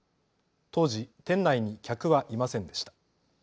当時、店内に客はいませんでした。